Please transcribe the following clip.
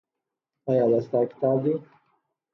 ایا دا ستا کتاب دی؟